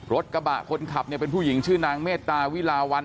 คนขับเนี่ยเป็นผู้หญิงชื่อนางเมตตาวิลาวัน